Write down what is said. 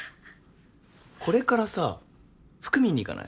これからさ服見に行かない？